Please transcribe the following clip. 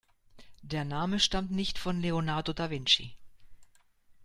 Der Name stammt nicht von Leonardo da Vinci.